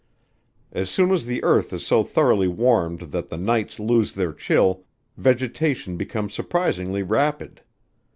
As soon as the earth is so thoroughly warmed that the nights lose their chill, vegetation becomes surprisingly rapid.